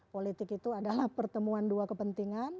politik itu adalah pertemuan dua kepentingan